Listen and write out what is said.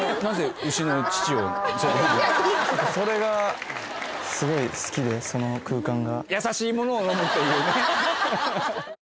それがすごい好きでその空間が。